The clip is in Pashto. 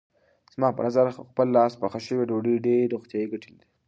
زما په نظر په خپل لاس پخه شوې ډوډۍ ډېرې روغتیايي ګټې لري.